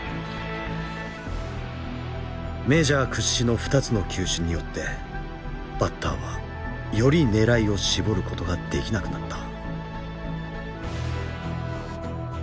メジャー屈指の２つの球種によってバッターはより狙いを絞ることができなくなった。